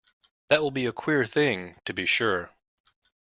That will be a queer thing, to be sure!